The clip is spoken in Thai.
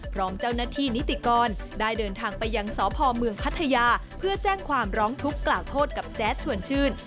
พร้อมเจ้าหน้าที่นิติกรได้เดินทางไปยังสพเมืองพัทยาเพื่อแจ้งความร้องทุกข์กล่าวโทษกับแจ๊ดชวนชื่น